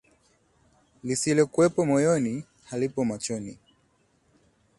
Lisilokuwapo moyoni, halipo machoni